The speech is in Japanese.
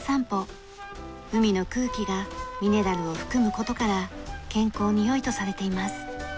海の空気がミネラルを含む事から健康に良いとされています。